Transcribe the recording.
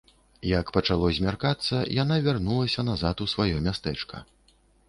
Як пачало змяркацца, яна вярнулася назад у сваё мястэчка.